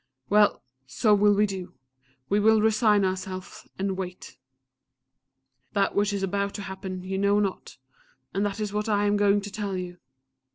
_"... Well! so will we do. We will resign ourselves, and wait. "That which is about to happen you know not and that is what I am going to tell you.